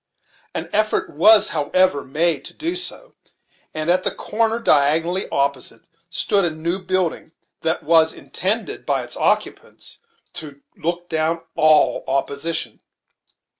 An effort was, however, made to do so; and at the corner diagonally opposite, stood a new building that was in tended, by its occupants, to look down all opposition.